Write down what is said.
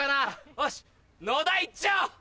おし野田行っちゃおう！